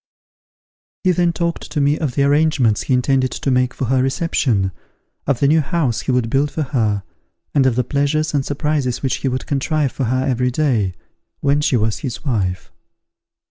He then talked to me of the arrangements he intended to make for her reception, of the new house he would build for her, and of the pleasures and surprises which he would contrive for her every day, when she was his wife.